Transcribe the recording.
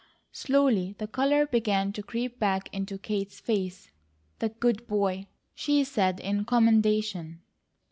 Slowly the colour began to creep back into Kate's face. "The good boy!" she said, in commendation.